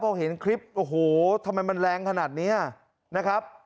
พอเห็นคลิปโอ้โหทำไมมันแรงขนาดนี้นะครับ